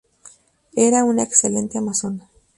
Era una excelente amazona.